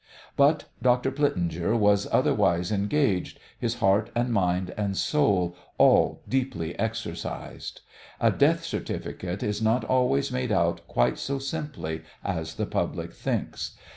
But Dr. Plitzinger was otherwise engaged, his heart and mind and soul all deeply exercised. A death certificate is not always made out quite so simply as the public thinks.